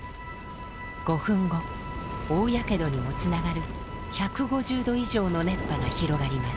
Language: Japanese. ５分後大やけどにもつながる１５０度以上の熱波が広がります。